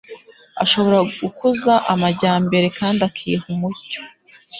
ashobora gukuza amajyambere kandi akiha umucyo;